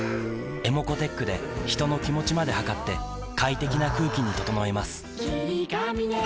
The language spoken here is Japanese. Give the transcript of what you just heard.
ｅｍｏｃｏーｔｅｃｈで人の気持ちまで測って快適な空気に整えます